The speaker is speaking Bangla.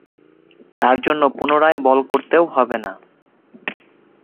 তার জন্য পুনরায় বল করতেও হবে না।